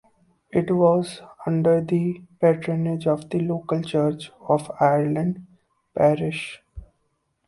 It was under the patronage of the local Church of Ireland parish.